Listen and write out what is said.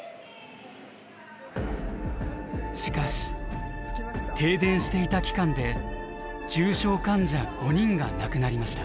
しかし停電していた期間で重症患者５人が亡くなりました。